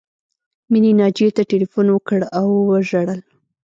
مینې ناجیې ته ټیلیفون وکړ او وژړل